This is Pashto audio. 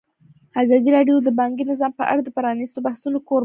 ازادي راډیو د بانکي نظام په اړه د پرانیستو بحثونو کوربه وه.